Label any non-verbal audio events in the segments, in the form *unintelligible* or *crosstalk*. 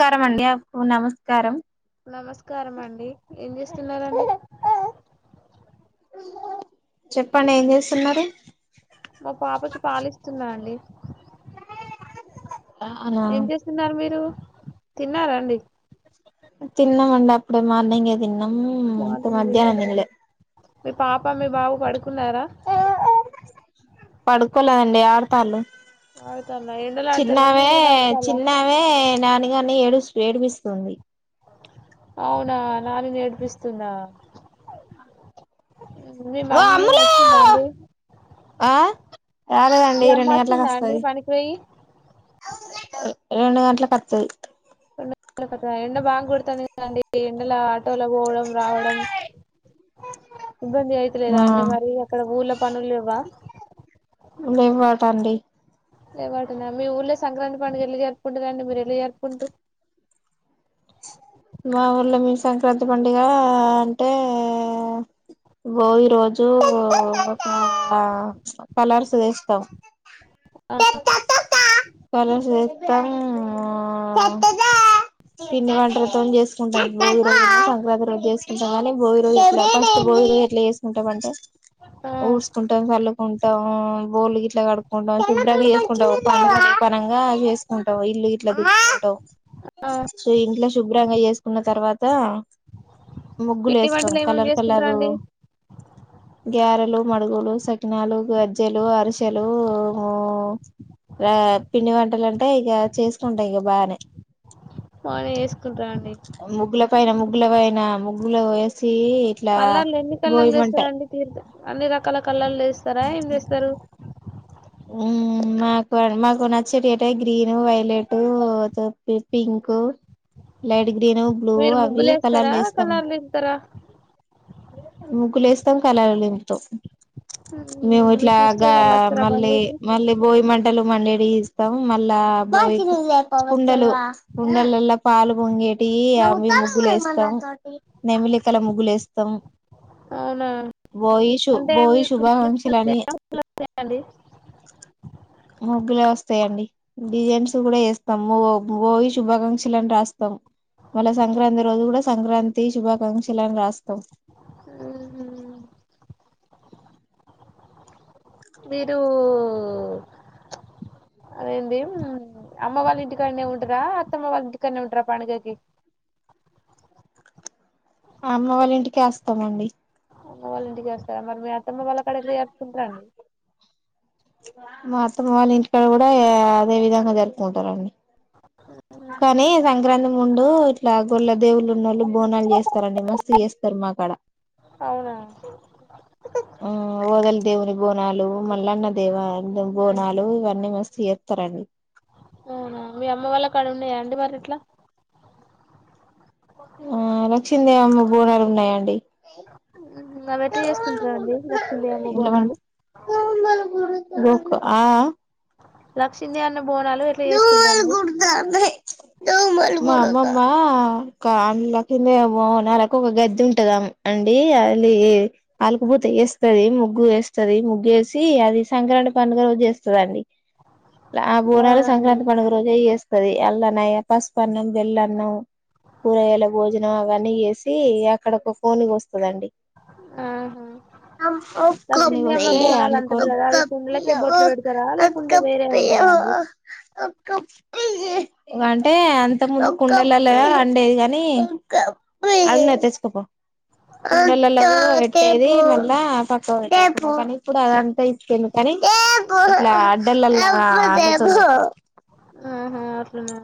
నమస్కారం అండి ఆ నమస్కారం స్తున్నారండి చెప్పండి ఏం చేస్తున్నారు మా పాపకి పాలిస్తున్నా అండి అవునా ఏం చేస్తున్నారు మీరూ తిన్నారాఅండి తిన్నామండి అప్పుడే మార్నింగే తిన్నా మూ ఇంక మార్నింగ్ మధ్యాహ్నం తిన్నారా తినలే పాప మీ బాబు పడుకున్నారా పడుకోలేదండి ఆడతాళ్ళు ఆడుతాలా ఎండలాడతాలా చిన్నావే నీడలాడతాలా చిన్నావే నానిగాన్ని ఏడు ఏడిపిస్తుంది అవునా నాని నేడిపిస్తుందా మీ ఓ మమ్మీ అమ్ములు అచ్చిందా అండి ఆ రాలేదండి మీ అమ్మ రెండు గంటలకు వచ్చిందా అండి వస్తది పనికి పోయి రెండు గంటలకు వత్తది ఎండ బాగా కొడతంది కధ అండి ఎండ ల ఆటోలో పోవడం రావడం ఇబ్బంది అయితలేదా ఆ అండి మరి అక్కడ ఊళ పనులేవా లెవ్వు ఆట అండి లేవ్ వాటినా మీ ఊర్లో సంక్రాంతి పండుగ ఎలా జరుపుకుంటుారండి మీరు ఎట్ల జరుపుకుంట్రూ మా ఊర్లో మే సంక్రాంతి పండుగ అంటే భోగీ రోజు ఆ కలార్సు వేస్తాం కలర్స్ వేస్తాం ఉమ్ పిండి వంటలు తోనీ చేసుకుంటాం భోగి రోజు సంక్రాంతి రోజు చేసుకుంటాం కానీ భోగీ రోజు ఎట్లా ఫస్ట్ భోగీ రోజు ఎట్లా చేసుకుంటామంటే ఆ, ఊడ్సుకుంటాం చల్కుం బోల్లు ఇట్లా కడుకుంటాం చప్పుడ చేసుకుంటా పనంగా వసుకుంటాం ఇల్లు గట్లా దుకుంటావు ఆ సో ఇంట్లో శుభ్రంగా చేసుకున్న తర్వాత ముగ్గులు పిండి వేస్తాం వంటలు ఏమేమి కలర్ చేసుకుంటారా కలరు అండి గారెలు మడుగులు సకినాలు గజ్జెలు అరిసెలు గా పిండి వంటలు అంటే ఇక చేసుకుంటాం ఇక బానే బాగానే చేసుకుంటారా అండి ముగల పైన ముగల పైన ముగ్ బులే వసి కలర్ ఎన్నికళ్ల ఎస్తారు అండి తీర్ అన్నిీ రకాల కలర్ వేస్తారా ఏం వేస్తారు ఉమ్ మాకు మాకున్నచ్చటి అట green violet pink light green blue మీరు అవి ముగ్గులు వేస్తారా కలర్లు వేస్తాము కలర్లు వేస్తారా ముగ్గులే వేస్తాం కలలు నింపుతాం మేము మ్మ్, మీ సిస్టర్ ఇట్లాగా వాళ్ళు వస్తారా మళ్ళీ పండుగకి మళ్ళీ భోగీ మంట లు మండేడి ఇస్తాం మళ్ళా కుండలు కుండలలో పాలు పొంగేటి అమి ముగ్గులు వేస్తాం నెమిలికల ముగ్గులు వేస్తాం అవునా భోగి శు అంటే భోగి మీ శుభాకాంక్షలు అని *unintelligible* ముగ్గులో వస్తాయంండి డిజైన్స్ కూడా వేస్తాం. భోగి శుభాకాంక్షలుని రాస్తాం మళ్ళ సంక్రాంతి రోజు కూడా సంక్రాంతి శుభాకాంక్షలులనీ రాస్తాం ఉమ్ హ్మ్ మీరు అదేంటి అమ్మ వాళ్ళ ఇంటికానే ఉంటారా అత్తమ్మ వాళ్ళ ఇంటికానే ఉంటారా పండుగకి అమ్మ వాళ్ళ ఇంటికే వస్తామండి అమ్మ వాళ్ళింటికి వస్తారు మరి మీ అత్తమ్మ వాళ్ళ కడా ఎట్లా జరుపుకుంటారండి త్తమ్మ వాళ్ళ ఇంటికాడ కూడా అదే విధంగా జరుపుకుంటారండి కానీ సంక్రాంతి ఉండూ ఇట్లా గొల్ల దేవుళ్లు ఉన్నోళ్ళు బోనాలు చేస్తారండి మస్తు చేస్తారు మా కాడ. అవునా ఆ వగల్ దేవుని బోనాలు, మల్లన్న దేవ ద బోనాలు, ఇవన్నీ మస్తు చేత్తరండి. అవునా మీ అమ్మ వాళ్ళ కాడ ఉండయా అండి మరి అట్లా ఆ లక్షిమ్ దేవమ్మ బోనాలు ఉన్నాయంండి ఊహూ అవి ఎట్ల చేసుకుంటరండి లక్షిమ్ దెవమ్మ బోనాలు రొక్ ఆ లక్షిమ్ దేవన్న మా అమ్మమ్ మా కామ్ లక్కిం దేవ్ బోనాలకు గద్ది ఉంటది ఆమె అండీ అదీ అలుకుబూత ఏస్తది, ముగ్గు ఏస్తది, ముగ్గు ఏసీ అది సంక్రాంట్ పండుగ రోజు జేస్తదండి. ల ఆ బోనాలు అవునండి సంక్రాంతి పండగ రోజే ఏస్ తది అల్ల నయ పసుపు అన్నం, బెల్లన్నం, కూరగాయల భోజనం, అవన్నీ ఏసీ అక్కడ ఒక కోడ్ని కోస్తదండి. ఆహా కోన్ని లక్ష్మీదేవి అమ్మ బోనాలు అంటారు కదా అవి కుండలకే కోస్తే బొట్లు పెడతారా లేకుంటే వేరే ఉంటాయా అండి అండుకోని అంటే అంతక్ ముందు కుండలల్లా అండేది గానీ, అదినా తెచ్చుకపో. కుండలల్లా పెట్టేది మళ్ళా పక్క *inaudible* కానీ ఇప్పుడు అదంతా *unintelligible* కానీ ఇట్లా అడ్డలల్లా *inaudible* ఆహా అట్లనా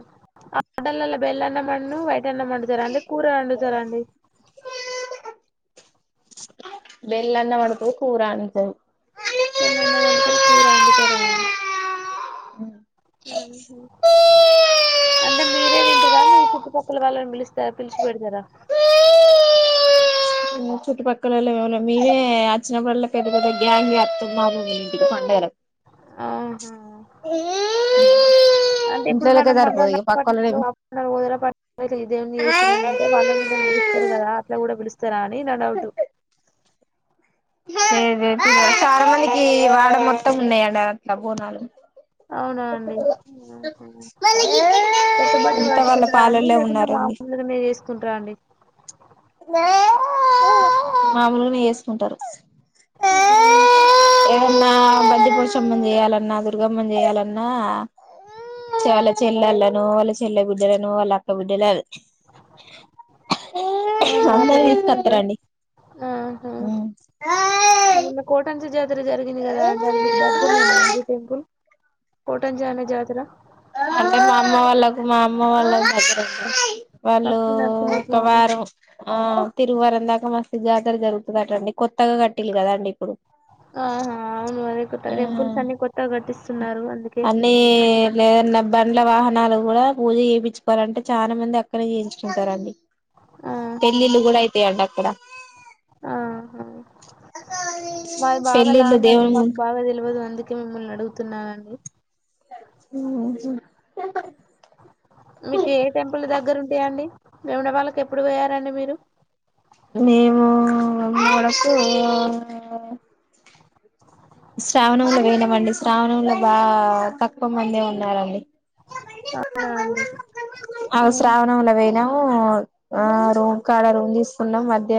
ఆ డలల్ల బెలన్నమూను వై కెన్నం ఒండుతరా అండి, కూర ఒండుతరా అండి. బెల్లన్న *unintelligible* కూర అంతరు తెల్ల అన్నం అండుతరు, కూర అండుతరా. ఊహు, అంటే మీరే తింటరా మీ చుట్టుపక్కల వాళ్ళని పిలుస్త పిలిచి పెడతరా. ఉమ్, చుట్టుపక్కలొల్లు ఎవలే మేమే అచినప్పల్ల పెద్ద పెద్ద గ్యాంగే అత్తం. మా అమ్మమోలింటికి పండగల. ఆహా, అంటే ఇప్పుడు ఇంట్లోలకే మనం సరిపోదు మళన్న ఇగ పట్ లు పక్కోళ్ళనేం *unintelligible* దేవున్ని చేసిరనంటే వాళ్ళన్ వీళ్ళన్ పిలుస్తరు గదా అట్లా కూడా పిలుస్తరా అన్ ని నా డౌటు లే *unintelligible* చాలా మందికి వాడ మొత్తం ఉన్నాయండి అట్లా బోనాలు అవునా అండి. ఆహా, కొత్త బట్ట అంతా వాళ్ళ వట్టుకుంటరా అండి పాలల్లో లేకుంటే ఉన్నారండి మామలుగనే చేసుకుంటార అండి. ఉమ్. ఉంటారు ఆ బంటి పోషమ్మన్ జేయాలన్నా, దుర్గమ్మన్ జేయాలన్నా, చె వాళ్ళ చెల్లల్లనూ, వాళ్ళ చెల్లె బిడ్డలనూ, వాళ్ళ అక్క బిడ్డలన్. ఆహా అట్లా అందరు ఈక్ పిలుచుకుంటారా ఒత్తరండి ఆహా నిన్న కోటన్స్ జ జర జరిగింది గదా అండి అది మీకు దగ్గరనేనా అండీ టెంపుల్ కోటన్జానె జాతర అంటే మా అమ్మ వాళ్ళకు మా అమ్మ వాళ్ళకు అక్కడ వాళ్ళు లక్ష్మీ ఒక నరసింహస్వామి వారం వస్త్, ఆ తిరువారం దాకా మస్తు జాతార జరుగుతదటండి కొత్తగా కట్టిళ్ళు కదండి ఇప్పుడు ఆహా అవును మరి ఆ టెంపుల్స్ అన్ని కొత్తగా కట్టిస్తున్నారు అందుకే ఏదనా బండ్ల వాహనాలు కూడా పూజ చేపిచ్చుకోవాలంటే చాన మంది అక్కనే చేయించుకుంటారుడి ఆ అక్కడ ఆ, ఆహ్, మాది బాగా పెళ్ళిళ్ళు లాంగ్ అది దేవుని మాకు బాగా తే తెలవదు అందుకే మిమ్మల్ని నడుగుతున్నానండి *unintelligible* మీకు ఏ టెంపుల్లు దగ్గర ఉంటయండి వేములవాడకి ఎప్పుడు పోయారండి మీరు మేము *unintelligible* శ్రావణంలో పోయినమండి శ్రావణంలో బా తక్కువ మందే ఉన్నారండి అవునా అండి, ఆ శ్రావణంలో ఆ పోయినాము ఆ రూమ్ కాడ రూమ్ తీసుకున్నం మధ్య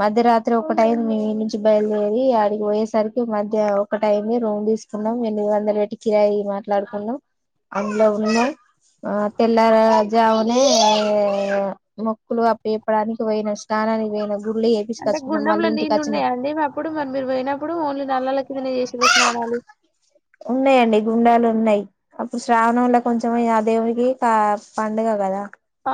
మధ్య రాత్రి ఒక టైంద్ మేం మీ నుంచి బయలుదేరి అడికి పోయేసరికి మ్య ఇగ ఒకటైంది రూమ్ తీసుకున్నం ఎనిమిదొందలు పెట్టి కిరాయి మాట్లాడుకున్నం అందులో ఉన్నం ఆ తెల్లార జామునే మొక్కులు అప్పాజెప్పడానికి పోయిన ష్నానానికి పోయినం గుళ్ళు అంటే చెపిచుకోచ్చుకున్నం మళ్ళీ గుండంలో ఇంటికి నీళ్ళు అచ్చినం ఉన్నాయా అండి ఎదన్న చేసిర్ర స్నానాలు ఉన్నాయండి గుండాలు ఉన్నాయి అప్పుడు శ్రావణంల కొంచం ఆ దేవుడికి పా పండుగ కదా ఆ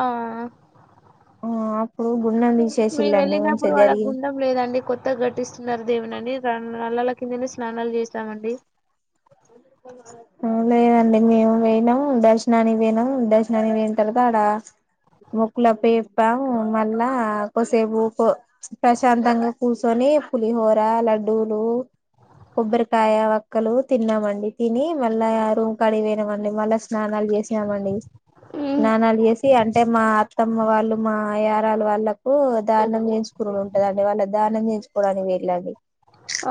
ఆ అప్పుడు గుండం మేము తీసేసిల్లండి మంచిగా వెళ్ళినప్పుడు ఆడ జరిగి గుండం లేదండి కొత్తగా గట్టిస్తున్నారు దేవనండి రెండు నల్లల కిందనే స్నానాలు చేసామండి అ లేదండి మేము వయినం, దర్శనానికి పోయినం దర్శనానికి వయిన తర్వాత ఆడ మొక్కులప్పయెప్పం మళ్ళా కొసేపు ప్రశాంతంగా కూసోనీ పులిహోర లడ్డూలు కొబ్బరికాయ వక్కలు తిన్నామండి తిని మళ్ళా ఆ రూమ్ కాడికి వోయినం అండి మళ్ళా స స్నానాలు చేసినామండి, హ్మ్. స్నానాలు చేసి అంటే మా అత్త అమ్మ వాళ్లు, మా యారలు వాళ్ళకు ద చేయించుకునుడు ఉంటదండి వాళ్ళ దానం చేయించుకోడానికి పోయిన్లు అది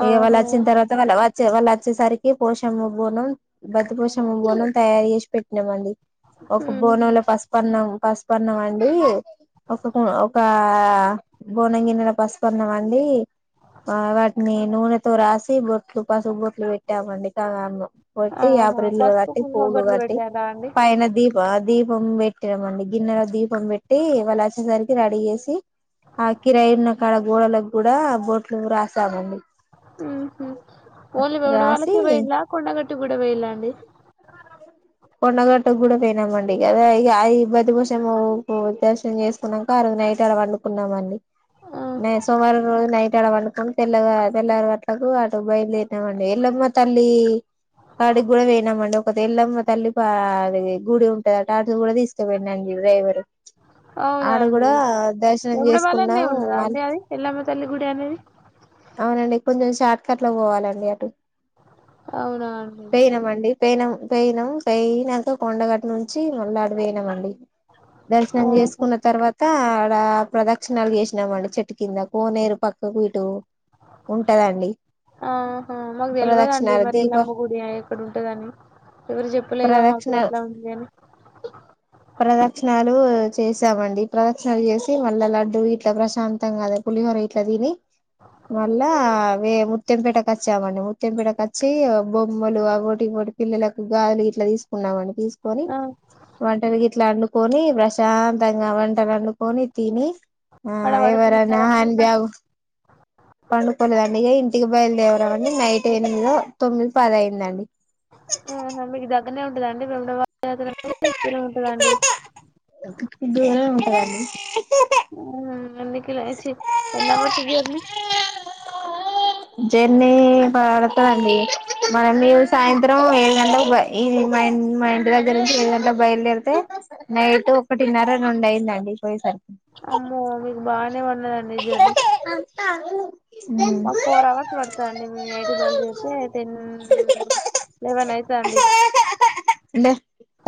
ఇగ వాళ్ళ ఆహా వచ్చిన తర్వాత వాళ్ళ వ చె, వలచ్చే సరి ఇగ పోషమ్మ బోనం బత్తి పోషమ్మ బోనం తయారు చేసి పెట్టినమండి ఒక ఉహు బోనంల పసుపన్నాం పసుపన్నం అండి ఒక ఒక ఒకా బోనం గిన్నెల పసుపన్నం అండి, ఆ వాటిని నూనెతో రాసి బొట్లు పసుపు బొట్లు పెట్టి అండి *unintelligible* కొట్టి, ఆహా! యాపరిల్లు పసుపు, కట్టి కుంకుమ పూలు బొట్లు కట్టి, పెట్టారా అండి? పైన దీపం ఆ దీప దీపం పెట్టినామండి గిన్నెలో దీపం పెట్టి వాళ్ళు వచ్చేసరికి రెడీ చేసి ఆ కిరయున్న కాడ గోడలకు కూడా బోట్లు రాసామండి *unintelligible* రాసి పొయిండ్ల కుండగట్ అటు కూడా వెయిలాండి కొండగట్టుకు కూడా పోయినామండి గదే అయి బతిభూషమ్మ దర్శనం చేసుకున్నాక ఆ రోజు నైట్ ఆడ వండుకున్నామండి ఆ! న సోమవారం రోజు నైట్ ఆడ వండుకుని తెల్ల తెల్లారు గట్లకు అటు బయలుదేరనామండి ఎల్లమ్మ తల్లి కాడికి కూడా పోయినామండి ఒక ఎల్లమ్మ తల్లి పా గుడి ఉంటదిట అటు కూడా తీసుకపోయిన అండి డ్రైవర్ అవునండి దర్శనం చేసుకున్నాం *unintelligible* ఉండదా మళ్ అండి అది ఎల్లమ్మ తల్లి గుడి అనేది అవునండి కొంచెం షార్ట్ కట్ లో పోవాలండి అటు అవున పేయినం అండి పేనం పేయినం పేయినంక కొండగట్టు నుంచి మళ్ళ అటు పోయినం అండి దర్శనం ఆహా! చేసుకున్న తర్వాత ఆడ ప్రదక్షిణలు చేసినమండి చెట్టు కింద కోనేరు పక్కకు ఇటు ఉంటదండి ఆహ మాక్ తెల్వదండి ప్రదక్షిణాలు మరి దీప ఎల్లమ గుడి అఏ కడుంటదని ఎవరు చెప్పలేగా ప్రదక్షిణ మాకు అట్ల ఉంది అని ప్రదక్షిణాలు చేసామండి ప్రదక్షిణలు చేసి మళ్ళా లడ్డు గిట్ల ప్రశాంతంగాద పులిహోర గిట్ల తిని మళ్ళా వే ముత్యంపేటకి వచ్చామండి ముత్యం పేటకచ్చి బొమ్మలు అవోటి ఇవోటి పిల్లలకు గాజులు గిట్ల తీసుకున్నామండి తీసుకోని ఆ! వంటలు గిట్ల వండుకొని ప్రశాంతంగా వంటలు వండుకొని తిని ఆ ఆడ ఎవరన్న పడుకున్నారా హ్యాండ్ మళ్ళా? బ్యాగ్ పండుకోలెదండి ఇగ ఇన్ ఇగ బయలుదేరమండి అండి నైట్ ఎనిమిదో తొమ్మిది పదైందండి ఆహ మీకు దగ్గరనే ఉంటదండి రొండో వా *unintelligible* దూరం ఉంటదండి దండి మ్మ్ ఎన్నికలో చి ఎన్నవర్సు జర్నీ జర్నీ పడతాందండి మనం సాయంత్రం ఏడు గంటలకు ఇ మా ఇంటి దగ్గర నుంచి ఏడు గంటలు బయలుదేరితే నైట్ ఒక టిన్నర రెండు అయిందండి పోయిసరికి అమ్మో మీకు బానే వన్ తున్నదండి జర్నీ ఒక ఫోర్ అవర్స్ పడతాదండి మే ఎయిట్ బయలుదేరితే టెన్ లెవెన్ అయితా దండి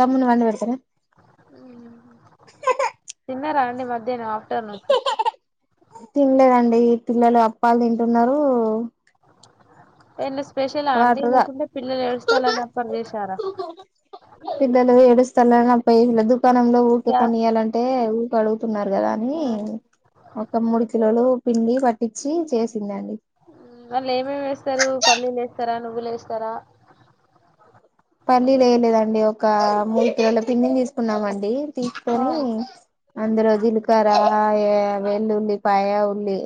తమ్మున్ని పండవెడతరా తిన్నారా అండి మధ్యానం ఆఫ్ తిన్లేదండి పిల్లలు అప్పాలు తింటున్నరూ ఎన్నిస్ స్పెషలా అండి వాటర్గా లేకుంటే పిల్లలు ఏడుస్తారుని అప్పాలు చేశారా తలనా పైవిలదు దుకాణంలో ఊక యా కొనియ్యాలంటే పడు తున్నారు కదా అని మ్మ్. ఒక మూడు కిలోలు పిండి పట్టించి చేసి వాళ్ళు ఏమేమి వేస్తారు పల్లీలు ఏ స్తారా నువ్వులే ఏస్తారా పల్లి లేయలేదండి ఒక మూడు కిలోలా పిండిని తీసుకున్నామండి ఆ తీసుకొని అందరుజులు వెల్లు ఉల్లిపాయ ఉల్లి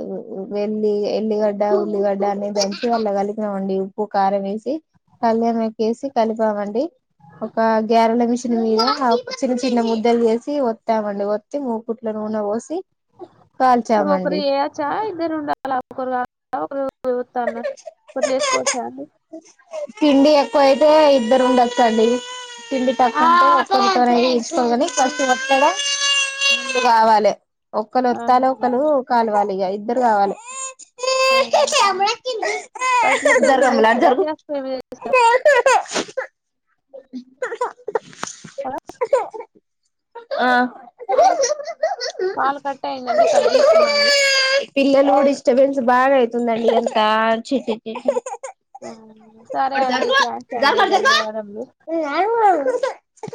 వెల్లి ఎల్లిగడ్డ ఉల్లిగడ్డ అని దంచి దాంట్లో కలిపినాం అండి ఉప్పు కారం వేసి అల్లం వేసి కలిపామండి ఒక గ్యారెల మిషన్ మీద చిన్న చిన్న ముద్దలు వేసి వత్తామండి ఒత్తి మూకుట్ల నూనె పోసి ఒకరు కాల్చామండి చేయచ్చా ఇద్దరు ఉండాలి ఒకరు *inaudible* *unintelligible* ఇప్పుడు చేసుకోవచ్చా అండి తిండి ఎక్కువ అయితే ఇద్దరు ఉండచ్చండి తిండి తక్కువంట ఒక్కయి తీసుకోని *unintelligible* ఆహా ఒకరుొత్తాల ఒకరు కాలవాలి ఇగ ఈ ఇద్దరు కావాలి ఆ కట్ల పోయి మీద జరగమ్మ లాటు జరుగు చేస్ *unintelligible* హ ఆ కాల్ కట్ అయిందండి కట్ చేస్తున్నా అండి పిల్లలు డిస్టబెన్స్ బాగా అయితుందండి అంత *unintelligible* ఆ సరే అండి థ్యాంక్స్ అండి జరగ ధన్యవాదములు జరుగు న